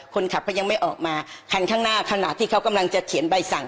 คนขับเขายังไม่ออกมาคันข้างหน้าขณะที่เขากำลังจะเขียนใบสั่ง